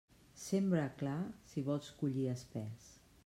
Sembra clar si vols collir espés.